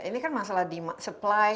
ini kan masalah supply dan demand